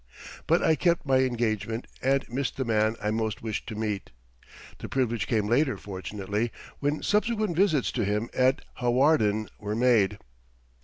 But I kept my engagement and missed the man I most wished to meet. The privilege came later, fortunately, when subsequent visits to him at Hawarden were made.